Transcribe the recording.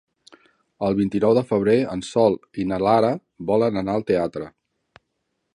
El vint-i-nou de febrer en Sol i na Lara volen anar al teatre.